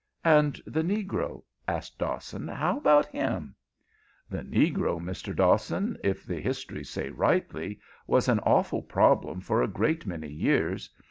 "And the negro?" asked Dawson. "How about him?" "The negro, Mr. Dawson, if the histories say rightly, was an awful problem for a great many years.